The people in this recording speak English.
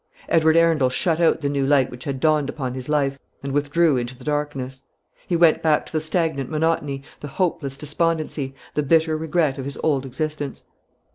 Edward Arundel shut out the new light which had dawned upon his life, and withdrew into the darkness. He went back to the stagnant monotony, the hopeless despondency, the bitter regret of his old existence.